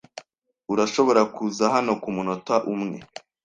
Urashobora kuza hano kumunota umwe?